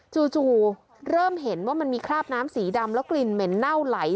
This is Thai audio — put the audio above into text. จู่เริ่มเห็นว่ามันมีคราบน้ำสีดำแล้วกลิ่นเหม็นเน่าไหล